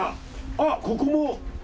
あっ、ここも！